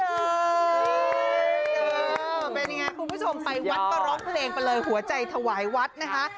เออเป็นยังไงคุณผู้ชมไปวัดก็ร้องเพลงไปเลยหัวใจถวายวัดนะคะ